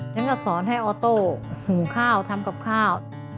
ฉันก็สอนให้ออโต้หุงข้าวทำกับข้าว